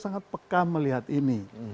sangat pekah melihat ini